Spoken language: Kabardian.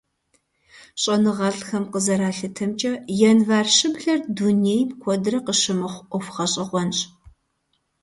ЩӀэныгъэлӀхэм къызэралъытэмкӀэ, январь щыблэр дунейм куэдрэ къыщымыхъу Ӏуэху гъэщӀэгъуэнщ.